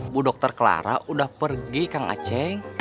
bu dokter clara udah pergi kang aceh